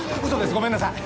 ごめんなさい。